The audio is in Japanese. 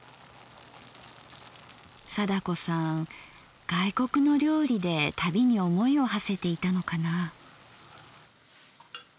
貞子さん外国の料理で旅に思いをはせていたのかなぁ。